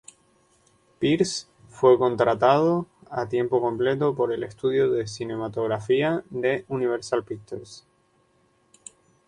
Pierce fue contratado a tiempo completo por el estudio de cinematografía de Universal Pictures.